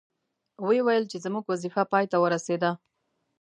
وې ویل چې زموږ وظیفه پای ته ورسیده.